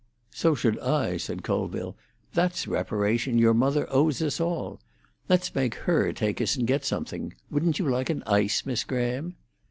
"So should I," said Colville. "That's reparation your mother owes us all. Let's make her take us and get us something. Wouldn't you like an ice, Miss Graham?"